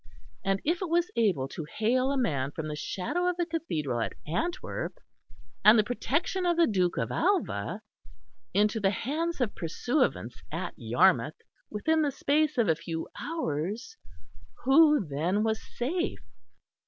And if it was able to hale a man from the shadow of the Cathedral at Antwerp and the protection of the Duke of Alva into the hands of pursuivants at Yarmouth within the space of a few hours, who then was safe?